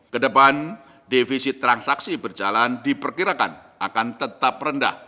kedepan defisit transaksi berjalan diperkirakan akan tetap rendah